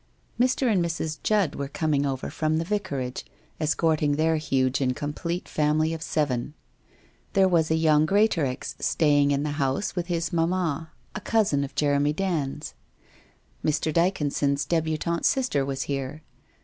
360 WHITE ROSE OF WEARY LEAF 361 Mr. and Mrs. Judd were coming over from the Vicarage, escorting their huge and complete family of seven. There was a young Greatorex staying in the house with his mamma, a cousin of Jeremy Dand's. Mr. Dyconson's debutante sister was here.